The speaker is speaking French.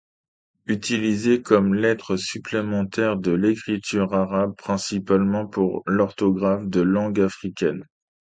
Utilisés comme lettres supplémentaires de l’écriture arabe, principalement pour l’orthographe de langues africaines.